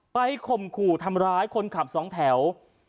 ข่มขู่ทำร้ายคนขับสองแถว